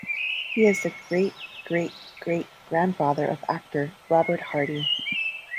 He is the great-great-great grandfather of actor Robert Hardy.